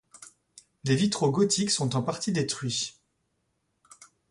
Les vitraux gothiques sont en partie détruits.